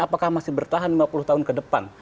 apakah masih bertahan lima puluh tahun ke depan